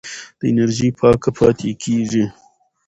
دا انرژي پاکه پاتې کېږي.